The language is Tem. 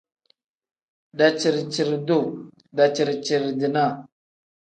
Daciri-ciri-duu pl: daciri-ciri-dinaa n.